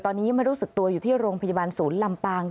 ตอนนี้ไม่รู้สึกตัวอยู่ที่โรงพยาบาลศูนย์ลำปาง